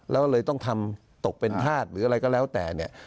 แล้วเลยต้องทำตกเป็นธาตุหรืออะไรก็แล้วแต่เนี่ย